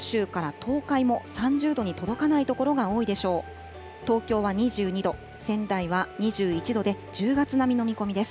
東京は２２度、仙台は２１度で、１０月並みの見込みです。